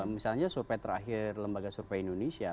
misalnya survei terakhir lembaga survei indonesia